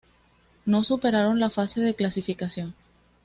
No superaron la fase de clasificación.